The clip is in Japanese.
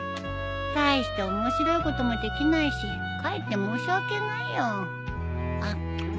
たいして面白いこともできないしかえって申し訳ないよ。